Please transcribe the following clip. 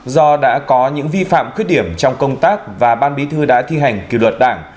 do đã có những vi phạm khuyết điểm trong công tác và ban bí thư đã thi hành kỷ luật đảng